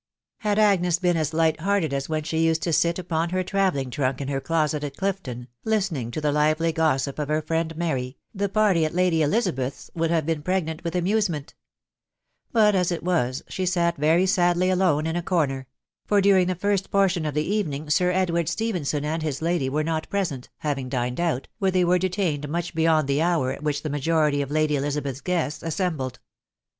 Had Agnes been as light hearted as when she used to sit upon her travelling trunk in her closet at Clifton, listening to the lively gossip of her friend Mary, \\\e TpwVj ax. LaA^ Efts* > THE WIDOW BARNABY. SI 7 beth's would have been pregnant with amusement But as it was, she sat very sadly alone in a corner ; for during the first portion of the evening Sir Edward Stephenson and his lady were not present, having dined out, where they were detained much beyond the hour at which the majority of Lady Eliza beth's guests assembled.